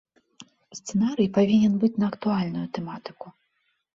Сцэнарый павінен быць на актуальную тэматыку.